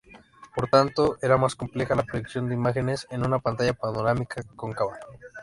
Por tanto, era más compleja la proyección de imágenes en una pantalla panorámica cóncava.